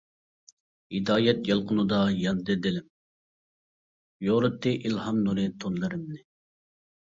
ھىدايەت يالقۇنىدا ياندى دىلىم، يورۇتتى ئىلھام نۇرى تۈنلىرىمنى.